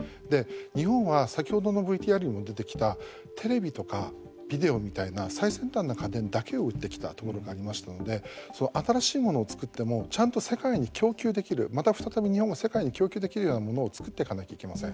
日本は先ほどのＶＴＲにも出てきたテレビとかビデオみたいな最先端な家電だけを売ってきたところがありましたので新しいものを作ってもちゃんと世界に供給できるまた再び日本が世界に供給できるようなものを作っていかなきゃいけません。